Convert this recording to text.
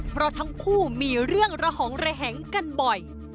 เพราะทั้งคู่มีเรื่องระหองระแหงกันบ่อย